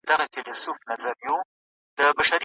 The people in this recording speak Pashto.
د انجینرۍ محصلینو ته د عملي کار زمینه نه وه برابره.